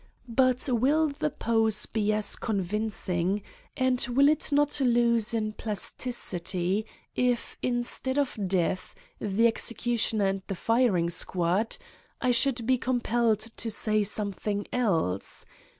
But will the pose be as convincing and will it not lose in plasticity if instead of death, the execu tioner and the firing squad I should be compelled to say something else